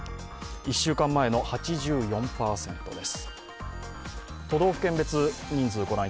１週間前の８４％です。